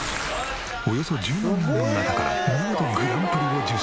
およそ１０万人の中から見事グランプリを受賞。